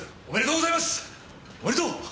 おめでとう！